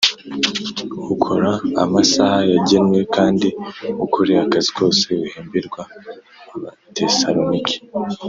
ukora amasaha yagenwe kandi ukore akazi kose uhemberwa Abatesalonike